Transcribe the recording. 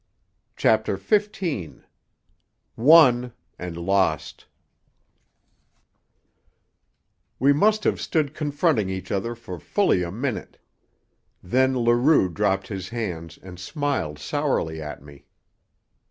CHAPTER XV WON AND LOST We must have stood confronting each other for fully a minute. Then Leroux dropped his hands and smiled sourly at me.